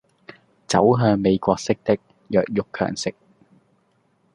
走向美國式的弱肉強食